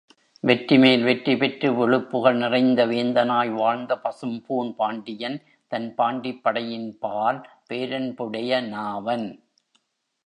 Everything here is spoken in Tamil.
வெற்றிமேல் வெற்றி பெற்று விழுப்புகழ் நிறைந்த வேந்தனாய் வாழ்ந்த பசும்பூண் பாண்டியன், தன் பாண்டிப் படையின்பால் பேரன்புடையனாவன்.